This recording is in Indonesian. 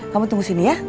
kamu tunggu sini ya